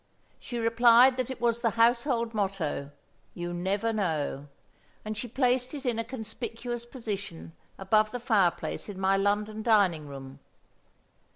She replied that it was the household motto: "You never know"; and she placed it in a conspicuous position above the fireplace in my London dining room.